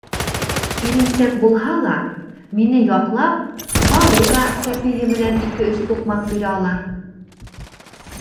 Иренсәк булһа ла, мине яҡлап, Балу ҙа тәпейе менән ике-өс туҡмаҡ бирә ала.